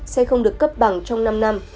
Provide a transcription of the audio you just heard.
sẽ không được cấp bằng trong năm năm